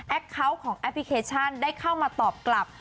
เขาท์ของแอปพลิเคชันได้เข้ามาตอบกลับ